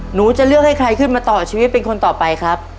หนูจะเลือกให้ใครขึ้นมาต่อชีวิตเป็นคนต่อไปครับ